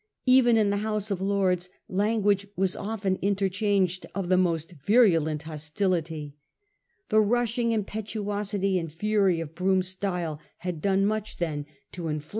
Even in the House of Lords language was often interchanged of the most virulent hostility. The rushing impetuosity and fury of Brougham's style had done much then to inflame 1837.